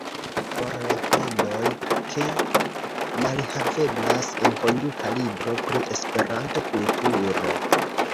For la plendoj, ke malhaveblas enkonduka libro pri Esperanto-kulturo!